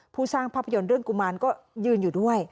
สร้างภาพยนตร์เรื่องกุมารก็ยืนอยู่ด้วย